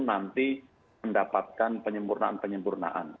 nanti mendapatkan penyempurnaan penyempurnaan